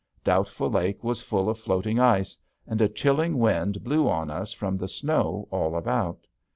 Doubtful Lake was full of floating ice, and a chilling wind blew on us from the snow all about.